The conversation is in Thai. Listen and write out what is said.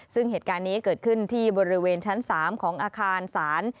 ซึ่งเหตุการณ์นี้เกิดขึ้นที่บริเวณชั้น๓ของอาคารศาล